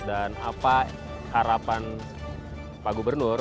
apa harapan pak gubernur